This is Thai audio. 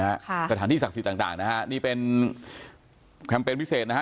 ค่ะสถานที่ศักดิ์สิทธิต่างต่างนะฮะนี่เป็นแคมเปญพิเศษนะฮะ